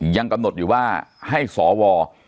ยังกำรถอยู่ว่าให้ศวว่อ